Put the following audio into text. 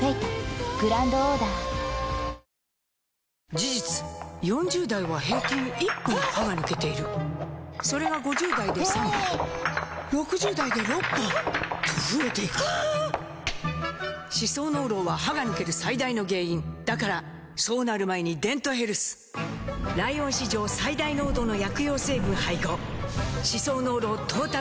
事実４０代は平均１本歯が抜けているそれが５０代で３本６０代で６本と増えていく歯槽膿漏は歯が抜ける最大の原因だからそうなる前に「デントヘルス」ライオン史上最大濃度の薬用成分配合歯槽膿漏トータルケア！